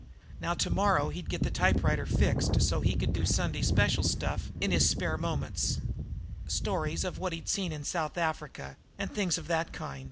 Now tomorrow he'd get the typewriter fixed so he could do Sunday special stuff in his spare moments stories of what he'd seen in South Africa and things of that kind.